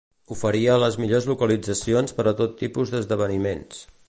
Oferia les millors localitzacions per a tot tipus d'esdeveniments.